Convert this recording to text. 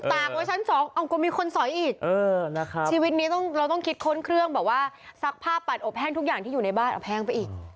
กไว้ชั้นสองก็มีคนสอยอีกชีวิตนี้เราต้องคิดค้นเครื่องแบบว่าซักผ้าปัดอบแห้งทุกอย่างที่อยู่ในบ้านเอาแห้งไปอีก